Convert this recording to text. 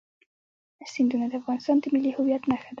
سیندونه د افغانستان د ملي هویت نښه ده.